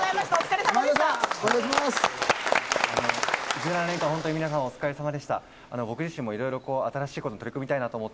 １７年間、皆様、お疲れさまでした。